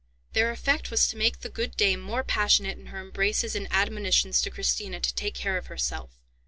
Their effect was to make the good dame more passionate in her embraces and admonitions to Christina to take care of herself.